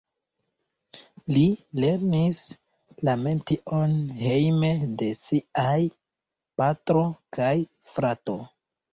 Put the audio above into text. Li lernis la metion hejme de siaj patro kaj frato.